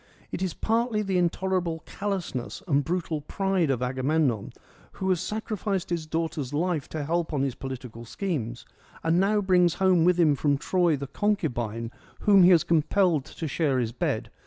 It is partly the intolerable callousness and brutal pride of Agamemnon, who has sacrificed his daughter's life to help on his political schemes, 76 FEMINISM IN GREEK LITERATURE and now brings home with him from Troy the concubine whom he has compelled to share his bed.